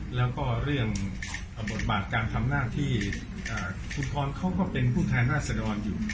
แล้วก็เรื่องบทบาทการทำหน้าที่คุณพรเขาก็เป็นผู้แทนราชดรอยู่